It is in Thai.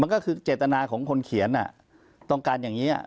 มันก็คือเจตนาของคนเขียนอ่ะต้องการอย่างงี้อ่ะ